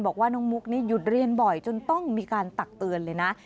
บอกว่าน้องมุกนี่หยุดเรียนบ่อยจนต้องมีการตักเตือนเลยนะ